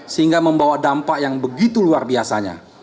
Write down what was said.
sehingga membawa dampak yang begitu luar biasanya